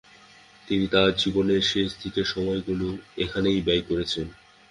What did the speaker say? তিনি তার জীবনের শেষের দিকের সময় গুলো এখানেই ব্যয় করেছেন।